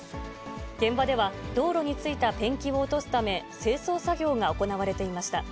現場では道路についたペンキを落とすため、清掃作業が行われていました。